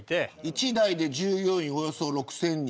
一代で従業員およそ６０００人。